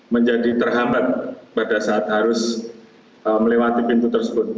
menjadi terhambat pada saat harus melewati pintu tersebut